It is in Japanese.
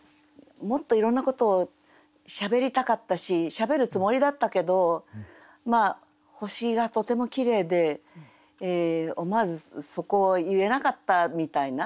もっといろんなことをしゃべりたかったししゃべるつもりだったけど星がとてもきれいで思わずそこを言えなかったみたいな。